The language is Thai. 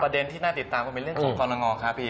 ที่น่าติดตามก็เป็นเรื่องของกรณงอครับพี่